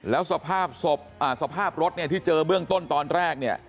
แล้วสภาพรถที่เจอเบื้องต้นตอนแรกเนี่ย